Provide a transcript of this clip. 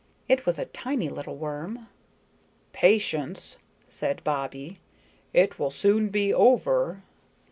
It was a tiny little worm. "Patience," said Bobbie, "it will soon be over."